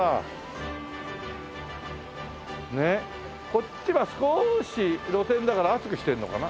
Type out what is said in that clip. こっちは少し露天だから熱くしてるのかな？